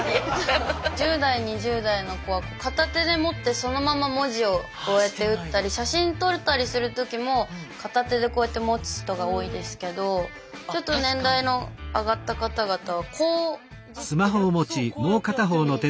１０代２０代の子は片手で持ってそのまま文字をこうやって打ったり写真撮ったりする時も片手でこうやって持つ人が多いですけどちょっと年代の上がった方々はこういじってる。